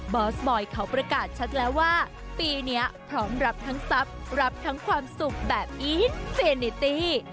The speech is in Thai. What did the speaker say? อสบอยเขาประกาศชัดแล้วว่าปีนี้พร้อมรับทั้งทรัพย์รับทั้งความสุขแบบอีทเฟนิตี้